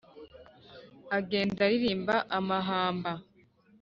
igenda iririmba amahamba